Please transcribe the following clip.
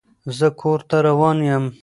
زه کور ته روان يم.